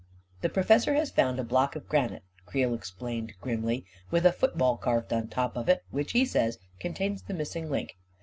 " The professor has found a block of granite," Creel explained grimly, " with a football carved on top of it, which he says contains the missing link.